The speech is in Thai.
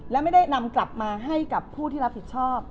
และไม่ได้นำกลับมาให้กับผู้ที่รับผิดชอบ